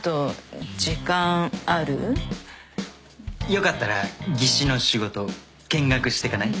よかったら技師の仕事見学してかない？